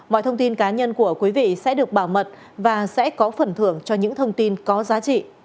mọi thông tin cá nhân của quý vị sẽ được bảo mật và sẽ có phần thưởng cho những thông tin có giá trị